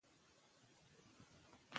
ځنګل د ژوو کور دی.